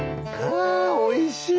あおいしい！